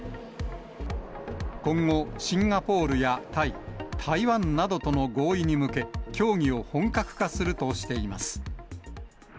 今後、シンガポールやタイ、台湾などとの合意に向け、協議を本格化するとしています。